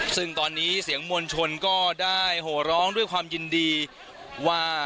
ซึ่งตอนนี้เสียงมวลชนก็ได้โหร้องด้วยความยินดีว่า